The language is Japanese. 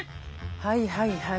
はいはいはい。